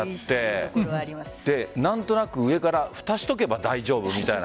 何となく上からふた、しておけば大丈夫みたいな。